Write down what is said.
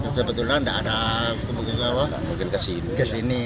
sebetulnya tidak ada kemungkinan ke sini